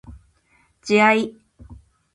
自愛